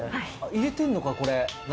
入れてんのかこれ。